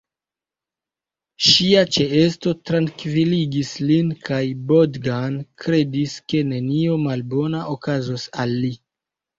Ŝia ĉeesto trankviligis lin kaj Bogdan kredis, ke nenio malbona okazos al li.